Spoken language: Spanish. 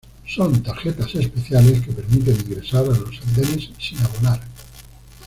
Son tarjetas especiales que permiten ingresar a los andenes sin abonar.